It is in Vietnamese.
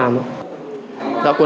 cảm ơn các bạn